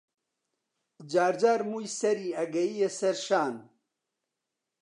جارجار مووی سەری ئەگەییە سەر شان